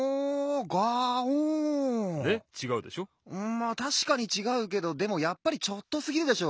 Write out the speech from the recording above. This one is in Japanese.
まったしかにちがうけどでもやっぱりちょっとすぎるでしょ。